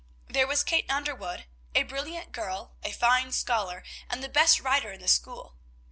There was Kate Underwood, a brilliant girl, a fine scholar, and the best writer in the school.